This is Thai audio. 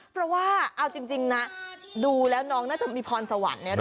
เพราะว่าเอาจริงนะดูแล้วน้องน่าจะมีพรสวรรค์